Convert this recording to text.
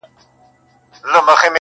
او چوپتيا خپره ده هر ځای,